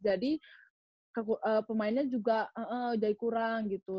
jadi pemainnya juga jadi kurang gitu